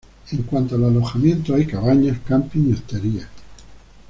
En cuanto al alojamiento, hay cabañas, campings y hosterías.